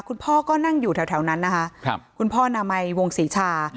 คุณพ่อก็นั่งอยู่แถวนั้นนะคะคุณพ่อนามัยวงศรีชา